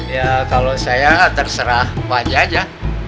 ya kalau saya terserah pak haji aja